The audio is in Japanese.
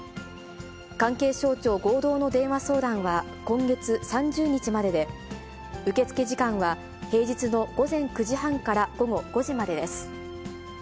関係省庁合同の電話相談は今月３０日までで、受け付け時間は平日の午前９時半から午後５時までです。